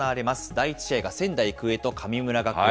第１試合が仙台育英と神村学園。